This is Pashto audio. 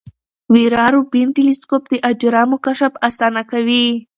ویرا روبین ټیلسکوپ د اجرامو کشف اسانه کوي.